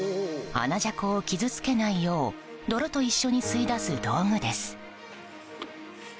アナジャコを傷つけないよう泥と一緒に吸い出す道具です。